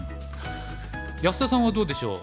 安田さんはどうでしょう？